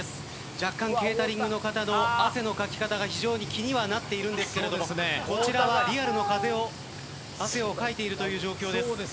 若干、ケータリングの方の汗のかき方が非常に気にはなっているんですけどこちらはリアルな風を汗をかいているという状況です。